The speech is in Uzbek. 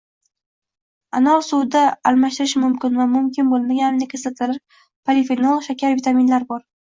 Anor suvida almashtirish mumkin va mumkin bo‘lmagan aminokislotalar, polifenol, shakar, vitaminlar bor.